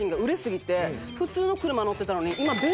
普通の車乗ってたのに。